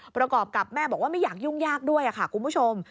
ประกอบกับแม่บอกว่าไม่อยากยุ่งยากด้วยค่ะคุณผู้ชม